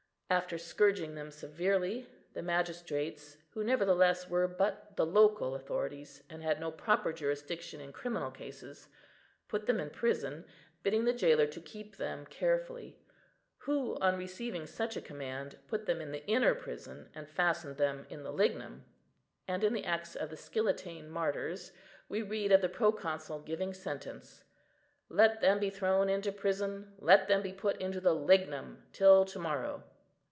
After scourging them severely, the magistrates, who nevertheless were but the local authorities, and had no proper jurisdiction in criminal cases, "put them in prison, bidding the jailer to keep them carefully; who, on receiving such a command, put them in the inner prison, and fastened them in the lignum." And in the Acts of the Scillitane Martyrs we read of the Proconsul giving sentence, "Let them be thrown into prison, let them be put into the Lignum, till to morrow."